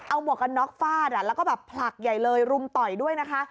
เอาหมวกกันน็อกฟาดแล้วก็แบบผลักใหญ่เลยรุมต่อยด้วยนะคะ